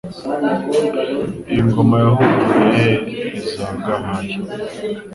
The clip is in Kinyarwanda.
Iyi ngoma yahunguye iza Gahaya